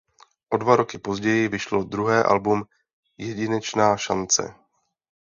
O dva roky později vyšlo druhé album "Jedinečná šance".